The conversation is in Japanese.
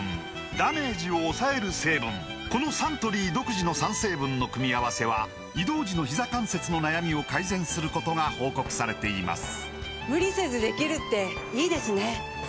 このサントリー独自の３成分の組み合わせは移動時のひざ関節の悩みを改善することが報告されています